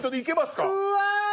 うわ！